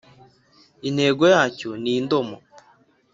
intego yacyo ni indomo,